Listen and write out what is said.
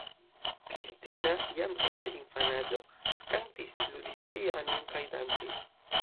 Kristina jam ekde infanaĝo kantis, ludis pianon kaj dancis.